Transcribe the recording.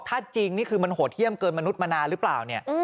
ถ้าจริงนี่คือมันโหดเยี่ยมเกินมนุษย์มานานหรือเปล่าเนี่ย